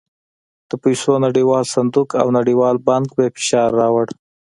د پیسو نړیوال صندوق او نړیوال بانک پرې فشار راووړ.